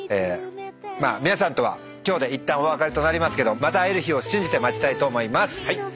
まあ皆さんとは今日でいったんお別れとなりますけどまた会える日を信じて待ちたいと思います。